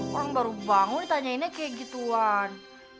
orang baru bangun ditanyainnya kayak gituan